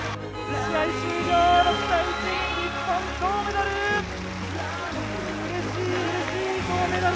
試合終了、６対１！日本、銅メダル！